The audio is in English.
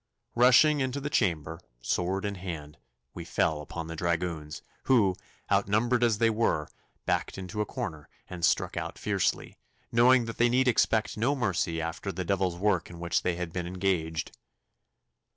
Rushing into the chamber, sword in hand, we fell upon the dragoons, who, outnumbered as they were, backed into a corner and struck out fiercely, knowing that they need expect no mercy after the devil's work in which they had been engaged.